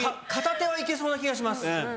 片手は行けそうな気がします。